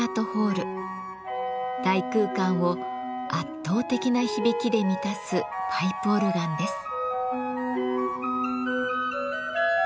大空間を圧倒的な響きで満たすパイプオルガンです。